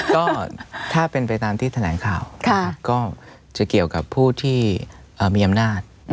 ก็ถ้าเป็นไปตามที่แถลงข่าวก็จะเกี่ยวกับผู้ที่มีอำนาจ